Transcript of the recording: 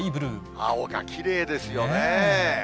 青がきれいですよね。